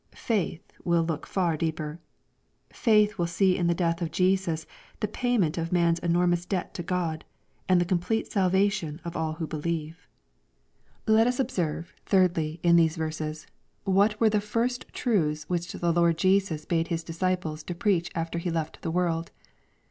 Faith will look far deeper. Faith will see in the death of Jesus the payment of man's enormous debt to God, and the complete salvation of all who believe. 518 EXPOSITORY THOUGHTS. Let U8 observe, thirdly, in these verses, what were the fir%t truths which the Lord Jesus hade His disciples preach after He left the world.